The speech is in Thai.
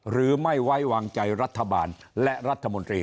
หรือไม่ไว้วางใจรัฐบาลและรัฐมนตรี